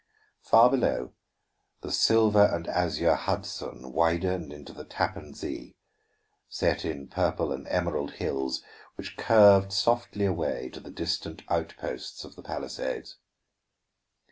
Far below, the silver and azure Hudson widened into the Tappan Zee, set in purple and emerald hills which curved softly away to the distant outposts of the Palisades.